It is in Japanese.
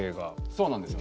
そうなんですよ。